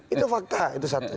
itu fakta itu satu